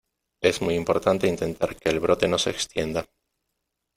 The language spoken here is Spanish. es muy importante intentar que el brote no se extienda .